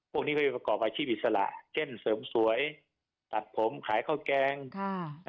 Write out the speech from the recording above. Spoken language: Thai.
พวกนี้ก็จะประกอบอาชีพอิสระเช่นเสริมสวยตัดผมขายข้าวแกง